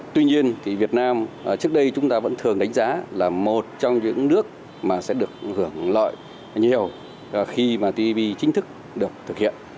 tuy nhiên thì việt nam trước đây chúng ta vẫn thường đánh giá là một trong những nước mà sẽ được hưởng lợi nhiều khi mà tv chính thức được thực hiện